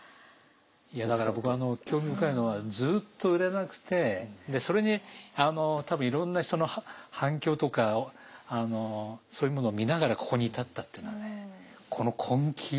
いやだから僕は興味深いのはずっと売れなくてそれにあの多分いろんな人の反響とかあのそういうものを見ながらここに至ったっていうのはねこの根気。